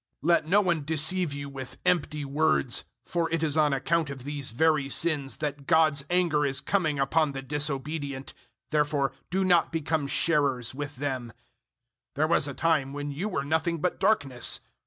005:006 Let no one deceive you with empty words, for it is on account of these very sins that God's anger is coming upon the disobedient. 005:007 Therefore do not become sharers with them. 005:008 There was a time when you were nothing but darkness.